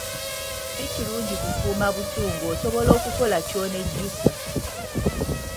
Si kirungi kukuuma busungu osobola okukola ky'onnejjusa.